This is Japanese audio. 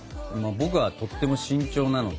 僕はとっても慎重なので。